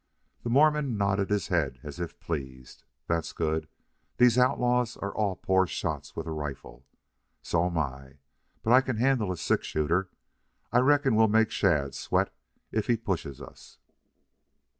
The Mormon nodded his head as if pleased. "That's good. These outlaws are all poor shots with a rifle. So 'm I. But I can handle a six shooter. I reckon we'll make Shadd sweat if he pushes us."